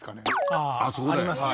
ああーありますね